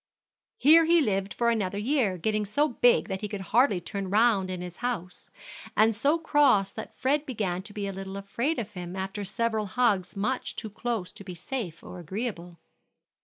Here he lived for another year, getting so big that he could hardly turn round in his house, and so cross that Fred began to be a little afraid of him after several hugs much too close to be safe or agreeable.